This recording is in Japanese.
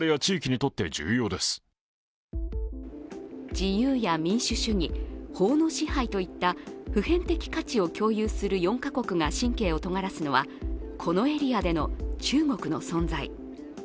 自由や民主主義、法の支配といった普遍的価値を共有する４か国が神経をとがらすのは、このエリアでの中国の存在。